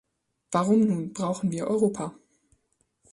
Warum nun brauchen wir Europa?